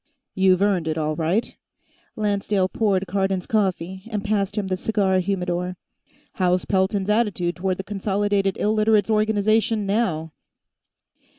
"You've earned it, all right." Lancedale poured Cardon's coffee and passed him the cigar humidor. "How's Pelton's attitude toward the Consolidated Illiterates' Organization, now?"